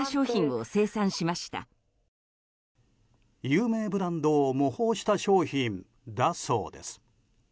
有名ブランドを模倣した商品だそうです。